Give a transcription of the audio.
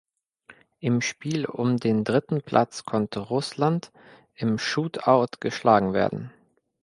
Im Spiel um den dritten Platz konnte Russland im Shootout geschlagen werden.